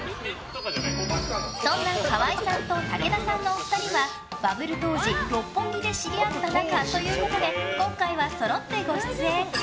そんな川合さんと武田さんのお二人はバブル当時、六本木で知り合った仲ということで今回は、そろってご出演。